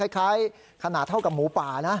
คล้ายขนาดเท่ากับหมูป่านะ